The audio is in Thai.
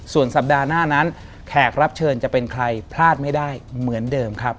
ส่วนสัปดาห์หน้านั้นแขกรับเชิญจะเป็นใครพลาดไม่ได้เหมือนเดิมครับ